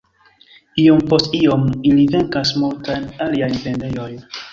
Iom post iom ili venkas multajn aliajn vendejojn.